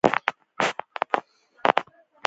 ږيره ور او برېتور افغانان.